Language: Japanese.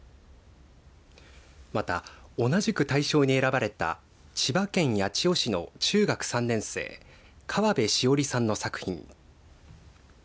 また、同じく大賞に選ばれた千葉県八千代市の中学３年生川辺史桜浬さんの作品。